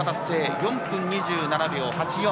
４分２７秒８４。